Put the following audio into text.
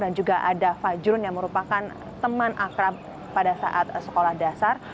dan juga ada fajrun yang merupakan teman akrab pada saat sekolah dasar